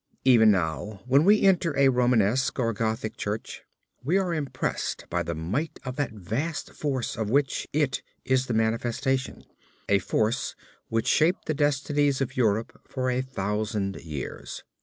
Even now, when we enter a Romanesque or Gothic church, we are impressed by the might of that vast force of which it is the manifestation, a force which shaped the destinies of Europe for a thousand years."